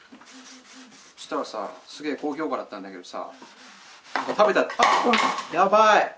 したらさすげえ好評価だったんだけどさ。